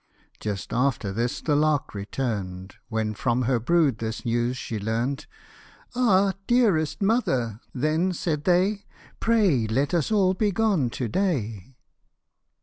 Just after this the lark return'd, When from her brood this news she learn 'd. " Ah ! dearest mother," then said they, " Pray let us all be gone to day."